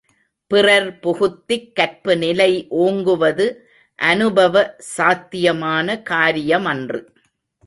பிறர் புகுத்திக் கற்பு நிலை ஓங்குவது அனுபவ சாத்தியமான காரியமன்று.